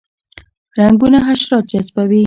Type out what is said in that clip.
رنګونه حشرات جذبوي